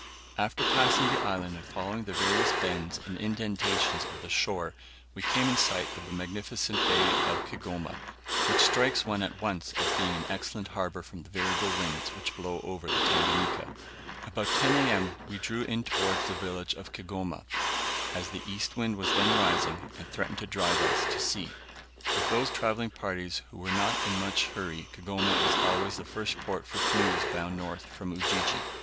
After passing the island and following the various bends and indentations of the shore, we came in sight of the magnificent bay of Kigoma, which strikes one at once as being an excellent harbor from the variable winds which blow over the Tanganika. About 10 A.M. we drew in towards the village of Kigoma, as the east wind was then rising, and threatened to drive us to sea. With those travelling parties who are not in much hurry Kigoma is always the first port for canoes bound north from Ujiji.